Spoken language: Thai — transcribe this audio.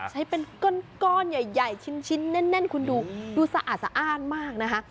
ใช้เป็นก้อนใหญ่ชิ้นแน่นคุณดูดูสะอาดสะอ้านมากนะคะ